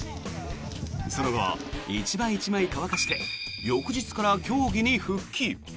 その後、１枚１枚乾かして翌日から競技に復帰。